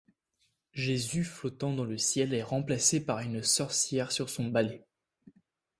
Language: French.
Jésus flottant dans le ciel est remplacé par une sorcière sur son balai.